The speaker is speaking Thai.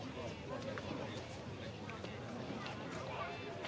ขอบคุณท่าน